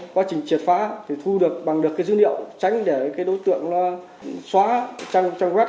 quá trình triệt phá thì thu được bằng được dữ liệu tránh để đối tượng xóa trang web